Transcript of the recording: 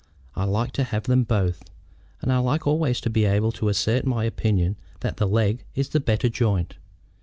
I like to have them both, and I like always to be able to assert my opinion that the leg is the better joint.